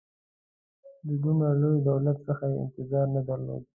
د دومره لوی دولت څخه یې انتظار نه درلود.